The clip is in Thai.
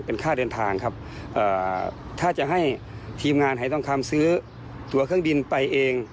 เป็นค่าเดินทางครับถ้าจะให้ทีมงานหายทองคำซื้อตัวเครื่องบินไปเอง